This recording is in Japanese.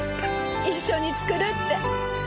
一緒に作るって。